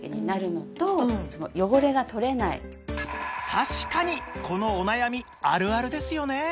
確かにこのお悩みあるあるですよね